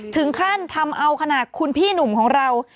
ถึงขั้นทำเอาขนาดคุณพี่หนุ่มของเรา